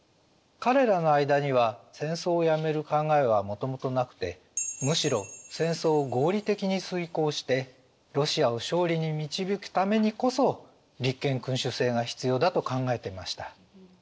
彼らの間には戦争をやめる考えはもともとなくてむしろ戦争を合理的に遂行してロシアを勝利に導くためにこそ立憲君主政が必要だと考えてました。